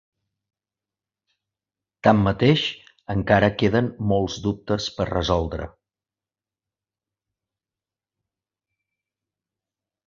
Tanmateix, encara queden molts dubtes per resoldre.